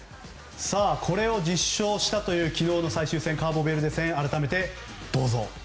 これを実証したという昨日の最終戦カーボベルデ戦を改めてどうぞ。